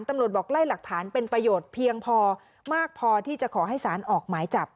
บอกไล่หลักฐานเป็นประโยชน์เพียงพอมากพอที่จะขอให้สารออกหมายจับ